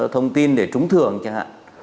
thông tin để trúng thường chẳng hạn